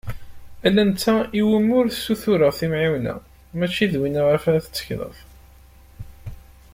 Ala i netta iwumi ur ssutureɣ timεiwna, mačči d win iɣef ara tettekleḍ.